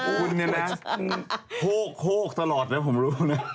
คุณเนี่ยนะโคกตลอดนะผมรู้นะ